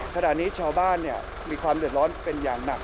ขณะนี้ชาวบ้านมีความเดือดร้อนเป็นอย่างหนัก